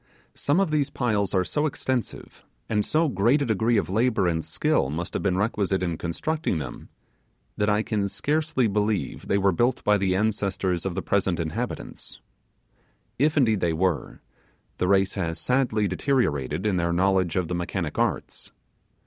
Some of these piles are so extensive, and so great a degree of labour and skill must have been requisite in constructing them, that I can scarcely believe they were built by the ancestors of the present inhabitants. If indeed they were, the race has sadly deteriorated in their knowledge of the mechanic arts.